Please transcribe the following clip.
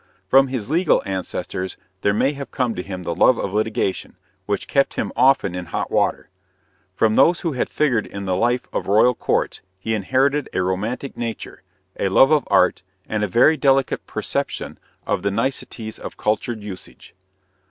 From his legal ancestors there may have come to him the love of litigation, which kept him often in hot water. From those who had figured in the life of royal courts, he inherited a romantic nature, a love of art, and a very delicate perception of the niceties of cultivated usage.